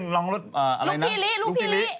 ลูกพี่ลิ